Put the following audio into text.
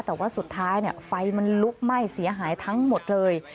แต่ว่าสุดท้ายไฟมันลุกไหม้เสียหายทั้งหมดเลย